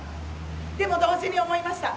でも同時に思いました。